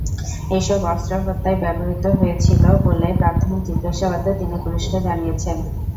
এসব অস্ত্র হত্যায় ব্যবহৃত হয়েছিল বলে প্রাথমিক জিজ্ঞাসাবাদে তিনি পুলিশকে জানিয়েছেন।